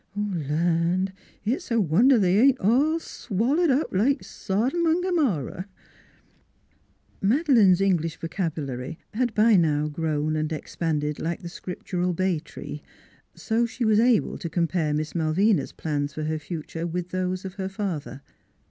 ... Land! it's a wonder they ain't all swallered up like Sodom 'n' G'morrah !" Madeleine's English vocabulary had by now grown and expanded like the scriptural bay tree, so she was able to compare Miss Malvina's plans for her future with those of her father.